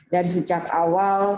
dari sejak awal